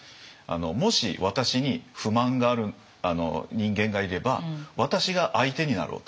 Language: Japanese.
もし私に不満がある人間がいれば私が相手になろうと。